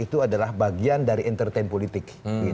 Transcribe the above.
itu adalah bagian dari entertain politik